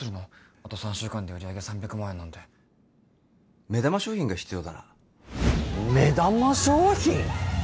あと３週間で売上３００万円なんて目玉商品が必要だな目玉商品？